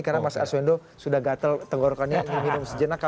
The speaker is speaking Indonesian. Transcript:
karena mas arswendo sudah gatel tenggorokannya